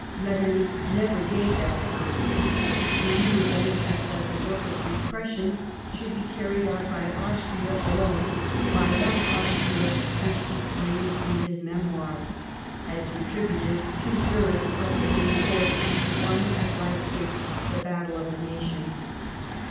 Metternich never gave that sign. He was anxious that the work of repression should be carried out by Austria alone — by that Austria which, he claims in his memoirs, * had contributed two thirds of the main force which won, at Leipsig, the " battle of the nations."